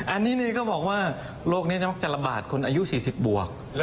อันนี้ก็บอกว่าโรคนี้จะมักจะระบาดคนอายุ๔๐บวก